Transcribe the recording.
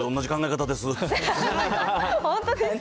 本当ですか。